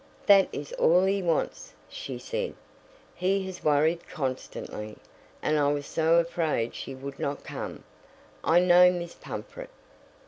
"That is all he wants," she said, "He has worried constantly, and I was so afraid she would not come I know Miss Pumfret."